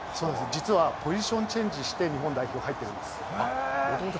実はポジションチェンジして、日本代表入ってるんです。